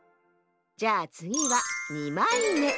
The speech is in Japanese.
じゃあつぎは２まいめ。